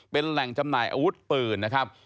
เป็นแหล่งจำหน่ายอาวุธปืนนะครับ